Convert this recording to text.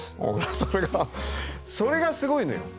それがそれがすごいのよ。